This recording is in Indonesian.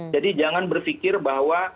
jadi jangan berpikir bahwa